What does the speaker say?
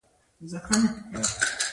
کندهار هم ښه فوټبال سټیډیم لري.